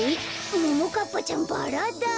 ももかっぱちゃんバラだ。